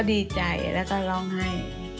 ดีใจแล้วก็ร้องไห้